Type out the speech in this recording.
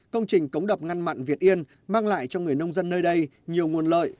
công trình cống đập ngăn mặn việt yên mang lại cho người nông dân nơi đây nhiều nguồn lợi